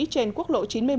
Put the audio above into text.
trên quốc lộ chín mươi một